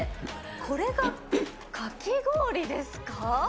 これがかき氷ですか？